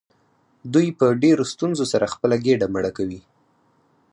دوی په ډیرو ستونزو سره خپله ګیډه مړه کوي.